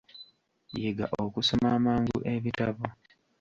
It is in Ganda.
Yiga okusoma amangu ebitabo.